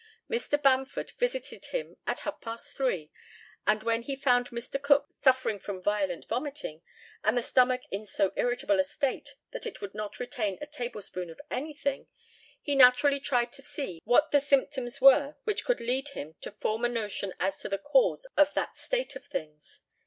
Dr. Bamford visited him at half past 3, and when he found Mr. Cook suffering from violent vomiting, and the stomach in so irritable a state that it would not retain a tablespoonful of anything, he naturally tried to see what the symptoms were which could lead him to form a notion as to the cause of that state of things.